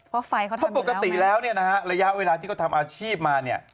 เพราะปกติแล้วระยะเวลาที่เขาทำอาชีพมา